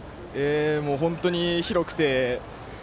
本当に広くて。